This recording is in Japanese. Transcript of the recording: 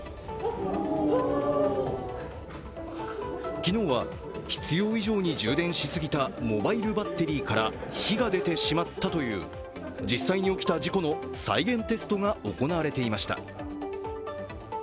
昨日は必要以上に充電しすぎたモバイルバッテリーから火が出てしまったという実際に起きた事故の再現テストが行われていました。